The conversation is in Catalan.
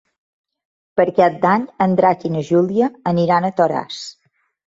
Per Cap d'Any en Drac i na Júlia aniran a Toràs.